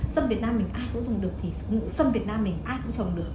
sâm việt nam mình ai cũng dùng được sâm việt nam mình ai cũng trồng được